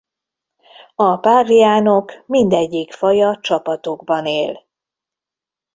A páviánok mindegyik faja csapatokban él.